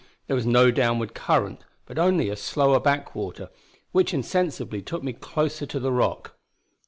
There was no downward current, but only a slow backwater, which insensibly took me closer to the Rock.